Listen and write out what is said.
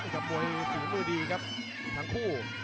กับมวยฝีมือดีครับทั้งคู่